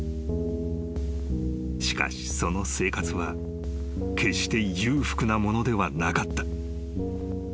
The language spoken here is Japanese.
［しかしその生活は決して裕福なものではなかった］